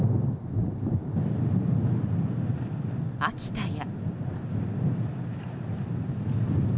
秋田や。